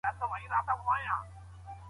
ناروغ عادي ژوند کولی شي.